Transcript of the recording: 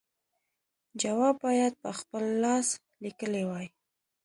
جواب باید په خپل لاس لیکلی وای.